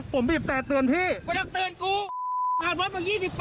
ผมบีบแต่เตือนพี่